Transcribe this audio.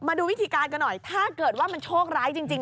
มาดูวิธีการกันหน่อยถ้าเกิดว่ามันโชคร้ายจริง